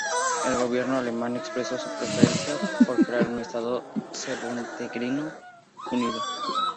El Gobierno alemán expresó su preferencia por crear un Estado serbo-montenegrino unido.